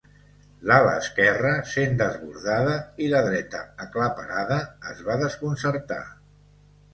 L'ala esquerra, sent desbordada i la dreta aclaparada, es va desconcertar.